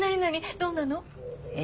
どんなの？え？